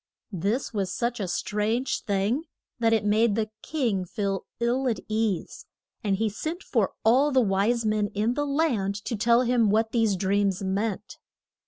This was such a strange thing that it made the king feel ill at ease. And he sent for all the wise men in the land to tell him what these dreams meant.